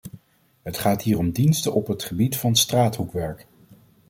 Het gaat hier om diensten op het gebied van straathoekwerk.